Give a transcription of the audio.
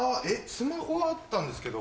スマホはあったんですけど。